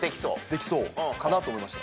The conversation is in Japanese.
できそうかなと思いました。